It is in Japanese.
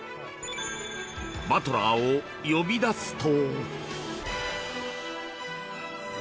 バトラーを呼び出すと。